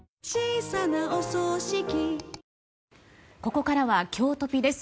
ここからはきょうトピです。